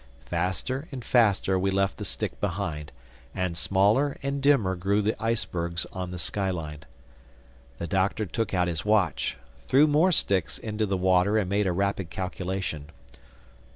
Faster and faster we left the stick behind; and smaller and dimmer grew the icebergs on the skyline. The Doctor took out his watch, threw more sticks into the water and made a rapid calculation.